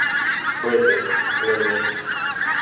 Prithee, leave me!